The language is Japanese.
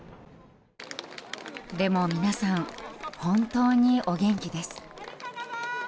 でも皆さん、本当にお元気です。